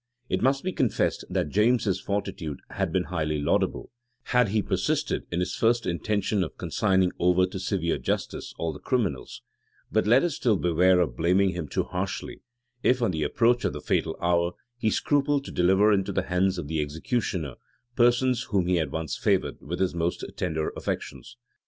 It must be confessed, that James's fortitude had been highly laudable, had he persisted in his first intention of consigning over to severe justice all the criminals: but let us still beware of blaming him too harshly, if, on the approach of the fatal hour, he scrupled to deliver into the hands of the executioner persons whom he had once favored with his most tender affections.